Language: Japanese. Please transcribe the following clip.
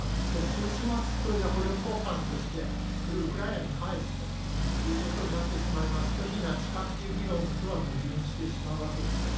そうしますと、じゃあ捕虜交換として、それをウクライナに返すということになってしまいますと、非ナチ化という議論とは矛盾してしまうわけですね。